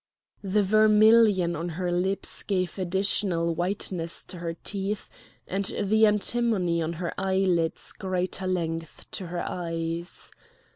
The vermilion on her lips gave additional whiteness to her teeth, and the antimony on her eyelids greater length to her eyes.